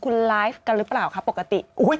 คุณไลฟ์กันหรือเปล่าคะปกติ